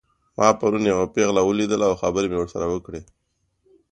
ما پرون یوه پیغله ولیدله او خبرې مې ورسره وکړې